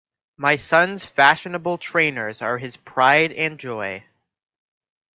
My son's fashionable trainers are his pride and joy